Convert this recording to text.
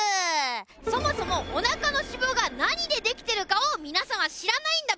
そもそもお腹の脂肪が何でできてるかを皆さんは知らないんだ